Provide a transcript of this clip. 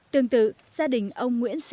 tương tự gia đình ông nguyễn sĩ